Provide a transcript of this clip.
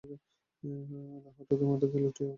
এলা হঠাৎ মাটিতে লুটিয়ে অতীনের পা জড়িয়ে ধরলে।